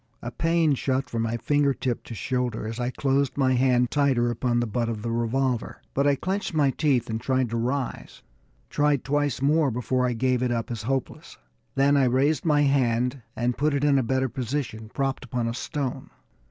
A pain shot from finger tip to shoulder as I closed my hand tighter upon the butt of the revolver. But I clenched my teeth and tried to rise tried twice more before I gave it up as hopeless. Then I raised my hand and put it in a better position, propped upon a stone.